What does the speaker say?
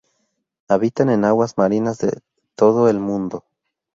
Habitan en aguas marinas de todo el mundo.